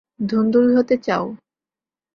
ধুন্দুল হতে চাও?